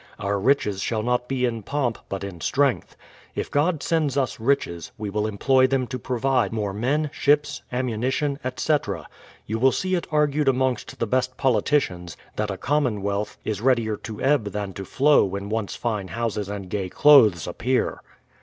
Our riches shall not be in pomp, but in strength. If God sends us riches, we will employ them to provide more men, ships, ammunition, etc. You will see it argued amongst the best politicians, that a commonwealth is readier to ebb than to flow when once fine houses and gay clothes appear.